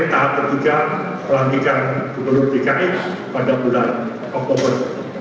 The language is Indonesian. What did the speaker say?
tahap ketiga pelatihan gubernur dki pada bulan oktober dua ribu tujuh belas